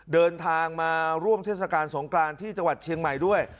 เดินทางมาร่วมเทศกาลสงกรานที่จังหวัดเชียงใหม่ด้วย